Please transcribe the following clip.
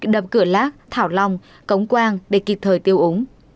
đập cửa lác thảo long cống quang để kịp thời tiêu úng